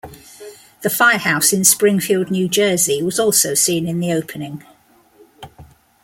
The firehouse in Springfield, New Jersey was also seen in the opening.